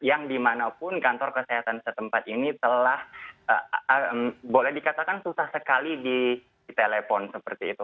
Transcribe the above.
yang dimanapun kantor kesehatan setempat ini telah boleh dikatakan susah sekali di telepon seperti itu